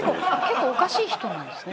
結構おかしい人なんですね